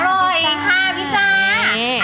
อร่อยค่ะพี่จ๊ะ